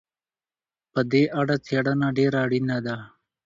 په دې اړه څېړنه ډېره اړينه ده.